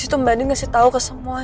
abis itu mbak anin kasih tahu ke semuanya